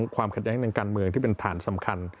ความขัดแย้งทางการเมืองที่เป็นฐานสำคัญ